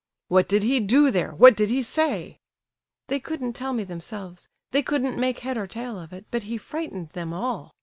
"What did he do there? What did he say?" "They couldn't tell me themselves; they couldn't make head or tail of it; but he frightened them all.